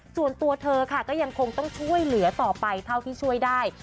ส่วนตัวเธอค่ะก็ยังคงต้องช่วยเหลือต่อไปเท่าที่ช่วยได้